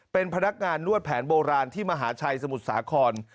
เป็นพนักงานนวดแผนโบราณที่มหาชัยสมุทรสาคร